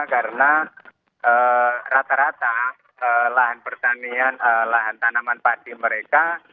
karena rata rata lahan pertanian lahan tanaman padi mereka